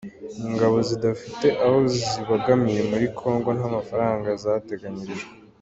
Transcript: Ingabo zidafite aho zibogamiye muri Congo nta mafaranga zateganyirijwe